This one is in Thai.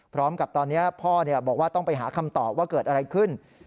พร้อมกับตอนนี้พ่อบอกว่าต้องไปหาคำตอบว่าเกิดอะไรขึ้น